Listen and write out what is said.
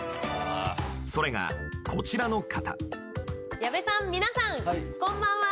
それがこちらの方。